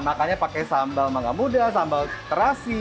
makannya pakai sambal mangga muda sambal terasi